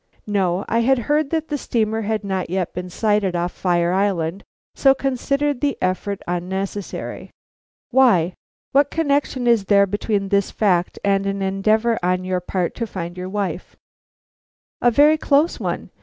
"No; I had heard that the steamer had not yet been sighted off Fire Island, so considered the effort unnecessary." "Why? What connection is there between this fact and an endeavor on your part to find your wife?" "A very close one.